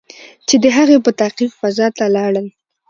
چې د هغې په تعقیب فضا ته لاړل.